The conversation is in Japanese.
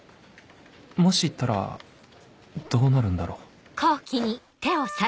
もし言ったらどうなるんだろう